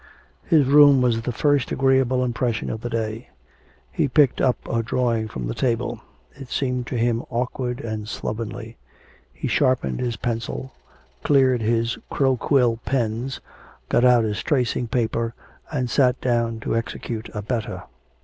His room was the first agreeable impression of the day. He picked up a drawing from the table, it seemed to him awkward and slovenly. He sharpened his pencil, cleared his crow quill pens, got out his tracing paper, and sat down to execute a better.